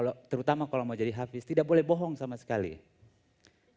tapi di pesantren terutama kalau mau jadi hafiz tidak boleh bohong sama orang lain